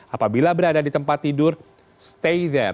apabila berada di tempat tidur stay there